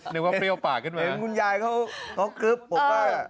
นึกว่าเปรี้ยวปากขึ้นไหม